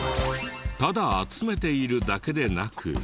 ただ集めているだけでなく。